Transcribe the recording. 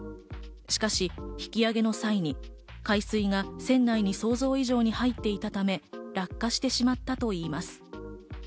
しかし、引き揚げの際に海水が船内に想像以上に入っていたため、落下してしまったといいます。